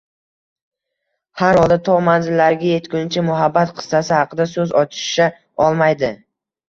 Harholda to manzillariga etguncha muhabbat qissasi haqida so`z ochisha olmaydi